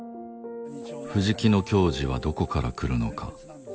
藤木の矜持はどこからくるのか？